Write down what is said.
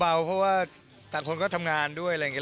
เพราะว่าต่างคนก็ทำงานด้วยอะไรอย่างนี้